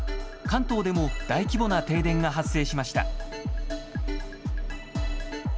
関東でも大規模な停電が発生しました。